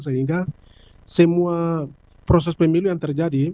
sehingga semua proses pemilihan terjadi